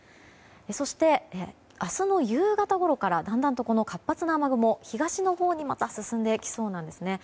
そして、明日の夕方ごろからだんだんと活発な雨雲が東のほうに進んでいきそうなんですね。